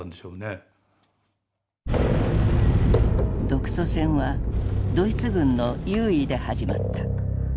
独ソ戦はドイツ軍の優位で始まった。